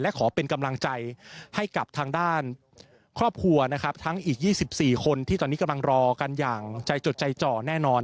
และขอเป็นกำลังใจให้กับทางด้านครอบครัวนะครับทั้งอีก๒๔คนที่ตอนนี้กำลังรอกันอย่างใจจดใจจ่อแน่นอน